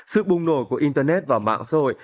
sự bùng nổ của internet và mạng xã hội